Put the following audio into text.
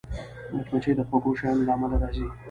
مچمچۍ د خوږو شیانو له امله راځي